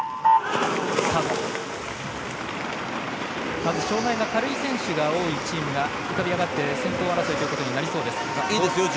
まず障がいが軽い選手の多いチームが浮かび上がって先頭争いになりそうです。